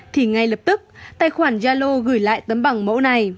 thì ngay lập tức tài khoản yalo gửi lại tấm bằng mẫu này